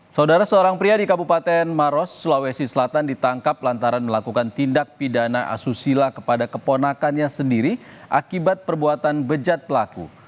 saudara seorang pria di kabupaten maros sulawesi selatan ditangkap lantaran melakukan tindak pidana asusila kepada keponakannya sendiri akibat perbuatan bejat pelaku